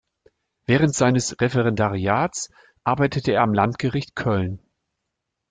Während seines Referendariats arbeitete er am Landgericht Köln.